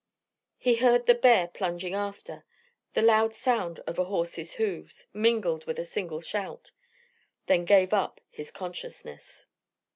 He heard the bear plunging after, the loud sound of a horse's hoofs, mingled with a single shout, then gave up his consciousness.